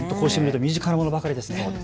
身近なものばかりですね。